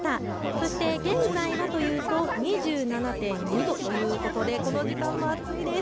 そして現在はというと２７．２度ということでこの時間も暑いです。